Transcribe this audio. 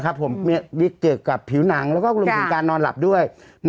เบียดเกิดกับผิวหนังแล้วก็กลุ่มถึงการนอนหลับด้วย